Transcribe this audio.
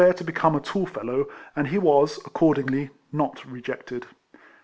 Ill a tall fellow, and he was, accordingly, not rejected.